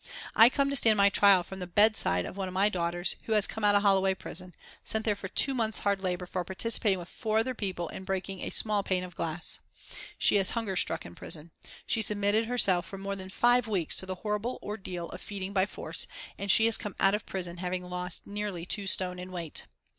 I come to stand my trial from the bedside of one of my daughters, who has come out of Holloway Prison, sent there for two months' hard labour for participating with four other people in breaking a small pane of glass. She has hunger struck in prison. She submitted herself for more than five weeks to the horrible ordeal of feeding by force, and she has come out of prison having lost nearly two stone in weight.